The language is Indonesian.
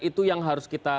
itu yang harus kita